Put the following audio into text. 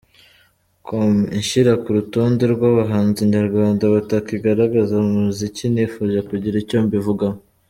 com inshyira ku rutonde rw’abahanzi nyarwanda batakigaragaza mu muziki, nifuje kugira icyo mbivugaho.